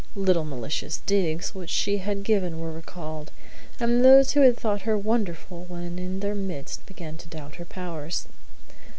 Little malicious digs which she had given were recalled, and those who had thought her wonderful when in their midst began to doubt her powers.